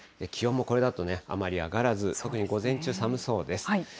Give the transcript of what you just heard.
気温もこれだとあまり上がらず、特に午前中寒そうです。